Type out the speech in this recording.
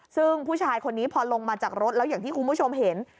ซึ่งผู้ชายคนนี้พอลงมาจากรถแล้วอย่างที่คุณผู้ชมเห็น